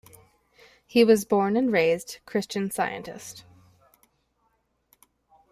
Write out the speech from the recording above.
He was born and raised Christian Scientist.